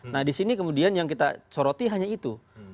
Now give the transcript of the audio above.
nah di sini kemudian yang kita soroti hanya itu